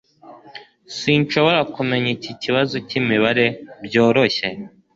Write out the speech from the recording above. Sinshobora kumenya iki kibazo cyimibare byoroshye